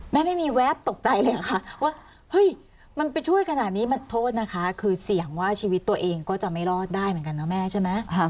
ไม่มีแวบตกใจเลยเหรอคะว่าเฮ้ยมันไปช่วยขนาดนี้มันโทษนะคะคือเสี่ยงว่าชีวิตตัวเองก็จะไม่รอดได้เหมือนกันนะแม่ใช่ไหม